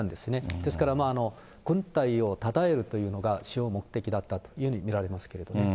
ですから、軍隊をたたえるというのが主要な目的だったと見られますけれどね。